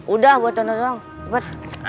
udah buat contoh doang cepet